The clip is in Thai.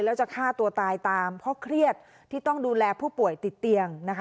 แล้วจะฆ่าตัวตายตามเพราะเครียดที่ต้องดูแลผู้ป่วยติดเตียงนะคะ